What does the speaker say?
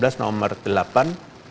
petugas dihimbau untuk menunda kepulangannya